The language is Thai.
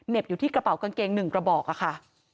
อยู่ที่กระเป๋ากางเกง๑กระบอกค่ะ